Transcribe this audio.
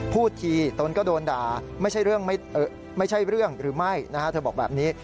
พูดทีต้นก็โดนด่าไม่ใช่เรื่องหรือไม่นะฮะเธอบอกแบบนี้